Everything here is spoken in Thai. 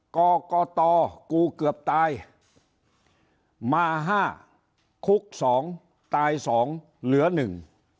กกตกูเกือบตายมาห้าคุกสองตายสองเหลือหนึ่ง